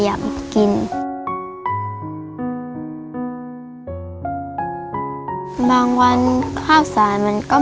หนูก็เลยไปช่วยพ่อทำงานเพื่อหาเงินมาพาน้องไปผ่าตัดค่ะ